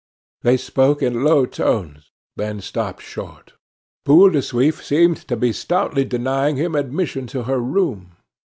They spoke in low tones, then stopped short. Boule de Suif seemed to be stoutly denying him admission to her room.